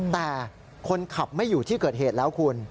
แต่คนขับไม่อยู่ที่เกิดเหตุแล้วคุณ